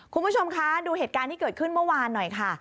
คุณผู้ชมคะดูเหตุการณ์ที่เกิดขึ้นเมื่อวานหน่อยค่ะ